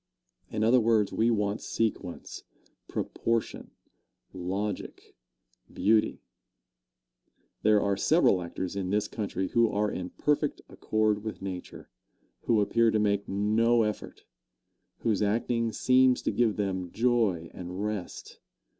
In other words, we want sequence, proportion, logic, beauty. There are several actors in this country who are in perfect accord with nature who appear to make no effort whose acting seems to give them joy and rest.